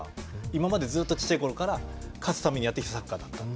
今までずっと小さいころから勝つためにやってきたサッカーだった。